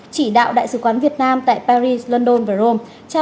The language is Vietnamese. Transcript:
chỉ đạo đại sứ quán việt nam tại paris london và rome